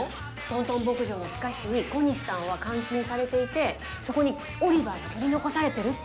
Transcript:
トントン牧場の地下室に小西さんは監禁されていてそこにオリバーが取り残されてるって。